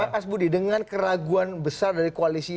mas budi dengan keraguan besar dari koalisi